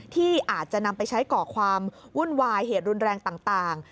ที่อาจจะนำไปใช้ก่อความวุ่นวายเหตุรุนแรงต่าง